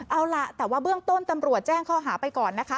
เอาล่ะแต่ว่าเบื้องต้นตำรวจแจ้งข้อหาไปก่อนนะคะ